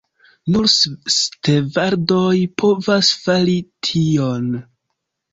Nur stevardoj povas fari tion.